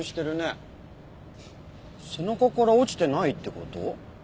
背中から落ちてないって事？